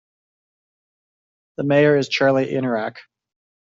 The mayor is Charlie Inuarak.